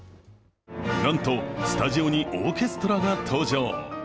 なんとスタジオにオーケストラが登場。